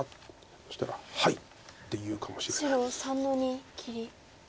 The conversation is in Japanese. そしたら「はい」って言うかもしれないです。